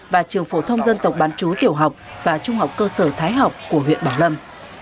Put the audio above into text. và trường phổ thông dân tộc bán chú tiểu học và trung học cơ sở thái học của huyện bảo lâm